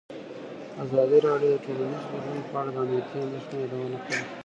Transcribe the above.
ازادي راډیو د ټولنیز بدلون په اړه د امنیتي اندېښنو یادونه کړې.